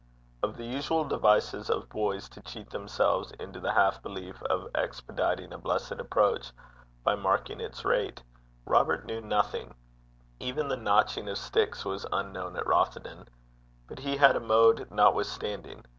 Of the usual devices of boys to cheat themselves into the half belief of expediting a blessed approach by marking its rate, Robert knew nothing: even the notching of sticks was unknown at Rothieden; but he had a mode notwithstanding.